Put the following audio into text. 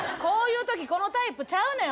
こういうときこのタイプちゃう。